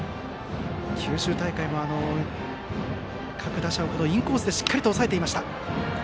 九州大会でも、各打者をインコースでしっかりと抑えていました。